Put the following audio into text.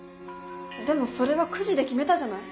でもそれはくじで決めたじゃない。